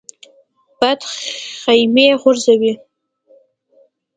باد خیمې غورځوي